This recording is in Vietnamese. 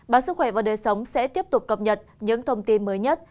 báo sức khỏe và đời sống sẽ tiếp tục cập nhật những thông tin mới nhất